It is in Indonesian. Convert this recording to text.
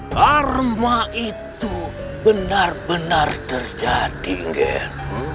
karma itu benar benar terjadi nger